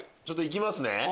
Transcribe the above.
ちょっと行きますね。